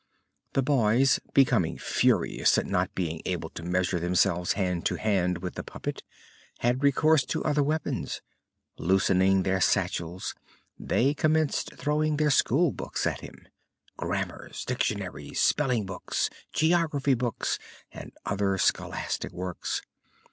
The boys, becoming furious at not being able to measure themselves hand to hand with the puppet, had recourse to other weapons. Loosening their satchels, they commenced throwing their school books at him grammars, dictionaries, spelling books, geography books, and other scholastic works.